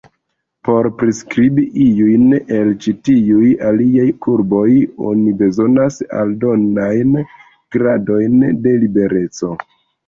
Por priskribi iujn el ĉi tiuj aliaj kurboj, oni bezonas aldonajn gradojn de libereco.